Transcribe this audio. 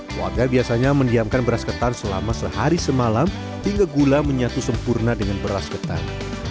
warga biasanya mendiamkan beras ketan selama sehari semalam hingga gula menyatu sempurna dengan beras ketan